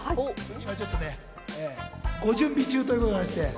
今、ちょっとね、ご準備中ということでして。